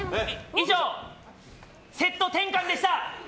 以上、セット転換でした。